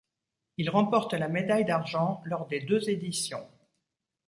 Il remporte la médaille d'argent lors des deux éditions.